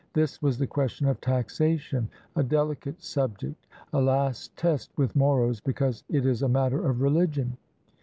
This was the question of taxation, a delicate subject, a last test with Moros, because it is a matter of religion.